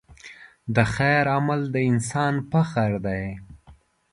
د خیر عمل د انسان فخر دی.